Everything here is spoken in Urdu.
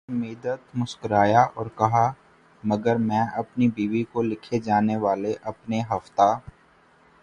شمیدت مسکرایا اور کہا مگر میں اپنی بیوی کو لکھے جانے والے اپنے ہفتہ